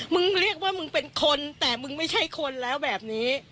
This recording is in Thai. เรียกว่ามึงเป็นคนแต่มึงไม่ใช่คนแล้วแบบนี้